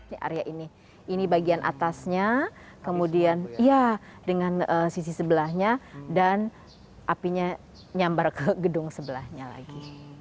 di area ini ini bagian atasnya kemudian ya dengan sisi sebelahnya dan apinya nyambar ke gedung sebelahnya lagi